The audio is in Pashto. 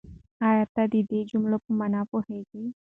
آيا ته د دې جملې په مانا پوهېږې؟